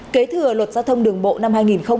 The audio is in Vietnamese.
kế thừa luật giao thông đường bộ năm hai nghìn tám